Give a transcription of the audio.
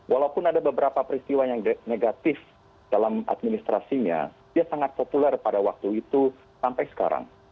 walaupun ada beberapa peristiwa yang negatif dalam administrasinya dia sangat populer pada waktu itu sampai sekarang